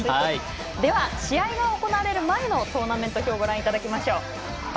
では、試合が行われる前のトーナメント表をご覧いただきましょう。